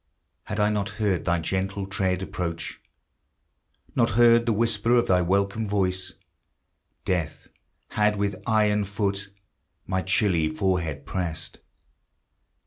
Had I not heard thy gentle tread approach, Not heard the whisper of thy welcome voice, Death had with iron foot My chilly forehead pressed.